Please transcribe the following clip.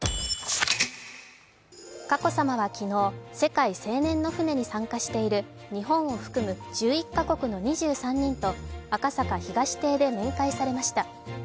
佳子さまは昨日、世界青年の船に参加している日本を含む１１か国の２３人と赤坂東邸で面会されました。